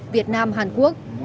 việt nam hạng